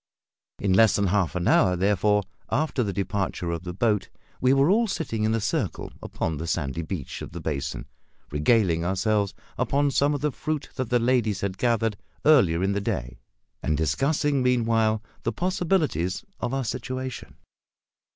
In less than half an hour, therefore, after the departure of the boat we were all sitting in a circle upon the sandy beach of the basin, regaling ourselves upon some of the fruit that the ladies had gathered earlier in the day, and discussing, meanwhile, the possibilities of our situation.